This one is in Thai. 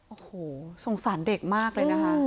โอ้โหสงสารเด็กมากเลยนะคะ